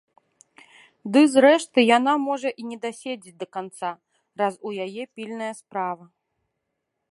Ды, зрэшты, яна можа і не даседзець да канца, раз у яе пільная справа.